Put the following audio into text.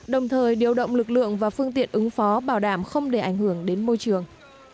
đồng thời điều động lực lượng và phương tiện ứng phó bảo đảm không để ảnh hưởng đến môi trường